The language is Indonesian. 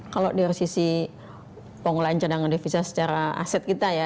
kalau dari sisi pengelolaan cadangan devisa secara aset kita ya